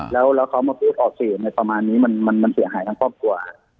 แล้วเขามาพูดออกสื่อในประมาณนี้มันเสียหายทั้งครอบครัว